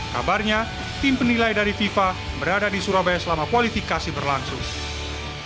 kabarnya tim penilai dari fifa berada di surabaya selama kualifikasi berlangsung